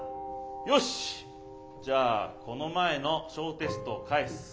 よしっじゃあこの前の小テストを返す。